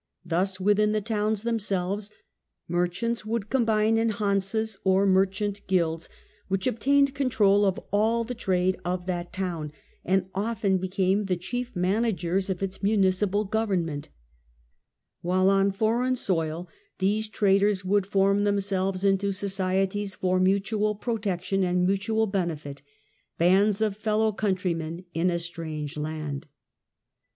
Thus within the towns themselves merchants would combine in Kansas or Merchant Guilds which obtained control of all the trade of that town, and often became the chief managers of its municipal government ; while on foreign soil these traders would form themselves into societies for mutual protection and mutual benefit, bands of fel low countrymen in a strange land.